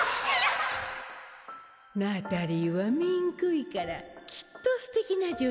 ナタリーはめんこいからきっとすてきなじょ